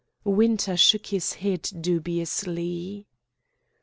Winter shook his head dubiously.